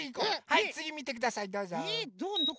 はいつぎみてくださいどうぞ。